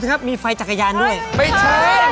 ไม่ใช่ไฟจักรยานมาเป็นระบบคอมพิวเตอร์